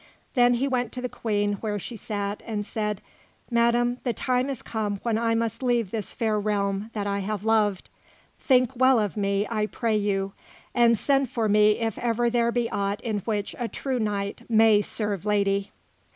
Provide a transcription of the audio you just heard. Then he went to the Queen where she sat, and said: "Madam, the time is come when I must leave this fair realm that I have loved. Think well of me, I pray you, and send for me if ever there be aught in which a true knight may serve lady."